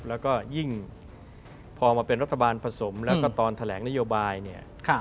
แล้วก็ยิ่งพอมาเป็นรัฐบาลผสมแล้วก็ตอนแถลงนโยบายเนี่ย